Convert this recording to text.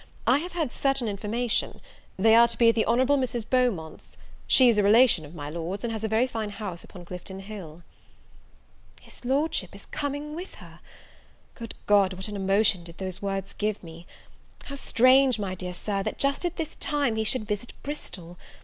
I have had certain information. They are to be at the Honourable Mrs. Beaumont's. She is a relation of my Lord's, and has a very fine house upon Clifton Hill." His Lordship is coming with her! Good God, what an emotion did those words give me! How strange, my dear Sir, that, just at this time, he should visit Bristol!